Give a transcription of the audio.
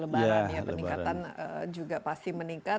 lebaran ya peningkatan juga pasti meningkat